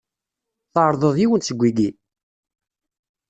Tɛerḍeḍ yiwen seg wiyi?